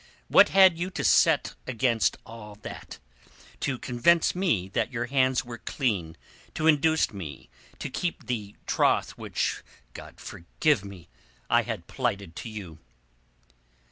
What had you to set against all that, to convince me that your hands were clean, to induce me to keep the troth which—God forgive me!—I had plighted to you?"